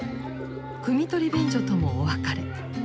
くみ取り便所ともお別れ。